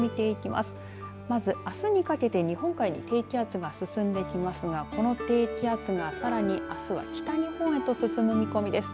まず、あすにかけて日本海に低気圧が進んでいきますがこの低気圧がさらにあすは北日本へと進む見込みです。